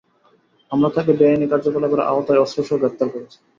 আমরা তাকে বেআইনি কার্যকলাপের আওতায় অস্ত্রসহ গ্রেফতার করেছি।